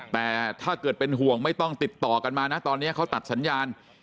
แต่ถ้าเกิดเป็นห่วงไม่ต้องติดต่อกันมานะตอนนี้เขาตัดสัญญาณ